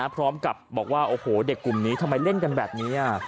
พร้อมกับบอกว่าโอ้โหเด็กกลุ่มนี้ทำไมเล่นกันแบบนี้